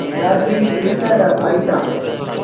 نآديٚ ڦلٽر رآ ڦآئيدآ۔